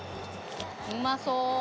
うまそう！